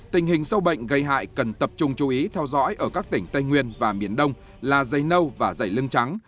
tình hình sâu bệnh gây hại cần tập trung chú ý theo dõi ở các tỉnh tây nguyên và miền đông là dây nâu và dày lưng trắng